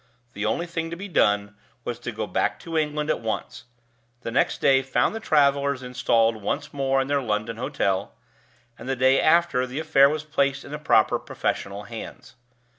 The only thing to be done was to go back to England at once. The next day found the travelers installed once more in their London hotel, and the day after the affair was placed in the proper professional hands.